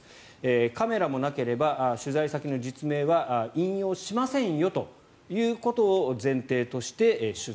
カメラもなければ取材先の実名は引用しませんよということを前提として取材。